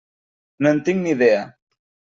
No en tinc ni idea.